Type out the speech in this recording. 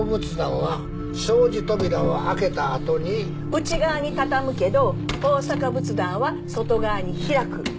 内側に畳むけど大阪仏壇は外側に開く。